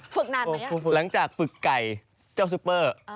ฝึกนานมั้ยอ่ะคุณฝึกหลังจากฝึกไก่เจ้าซุปเปอร์